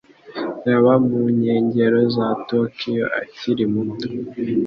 Yaba mu nkengero za Tokiyo akiri muto.